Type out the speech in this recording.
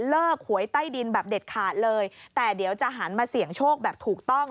หวยใต้ดินแบบเด็ดขาดเลยแต่เดี๋ยวจะหันมาเสี่ยงโชคแบบถูกต้อง